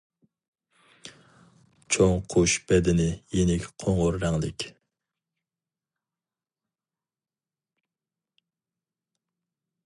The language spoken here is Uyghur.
چوڭ قۇش بەدىنى يېنىك قوڭۇر رەڭلىك.